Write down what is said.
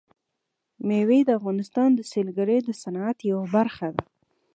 مېوې د افغانستان د سیلګرۍ د صنعت یوه برخه ده.